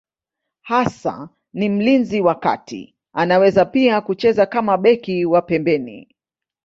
Hasa ni mlinzi wa kati, anaweza pia kucheza kama beki wa pembeni.